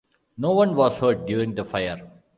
No one was hurt during the fire.